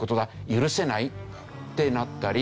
「許せない！」ってなったり。